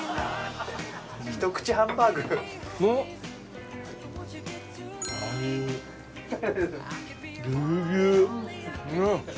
ひと口ハンバーグ？ん！